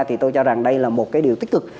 thì tôi cho rằng đây là một cái điều tích cực